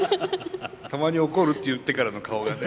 たまに怒るって言ってからの顔がね。